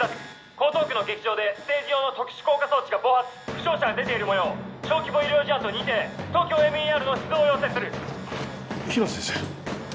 江東区の劇場でステージ用の特殊効果装置が暴発負傷者が出ているもよう小規模医療事案と認定ＴＯＫＹＯＭＥＲの出動を要請する比奈先生